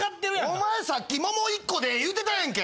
お前さっき桃１個でええ言うてたやんけ！